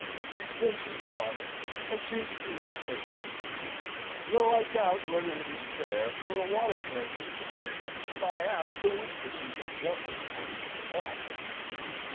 He drinks his water, and seems to laugh at the Englishmen, though I doubt whether it is fair for a water drinker to sit by and spy out the weaknesses of gentlemen over their wine."